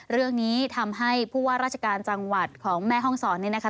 เรื่องนี้ทำให้ผู้ว่าราชการจังหวัดของแม่ห้องศรนี่นะคะ